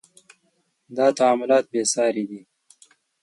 • دا تعاملات بې ساري دي.